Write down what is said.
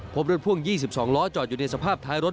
พบรถพ่วง๒๒ล้อจอดอยู่ในสภาพท้ายรถ